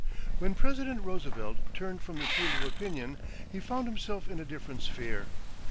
= When President Roosevelt turned from the field of opinion he found himself in a different sphere.